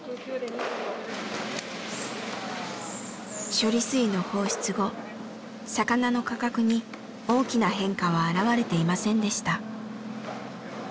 処理水の放出後魚の価格に大きな変化は現れていませんでした。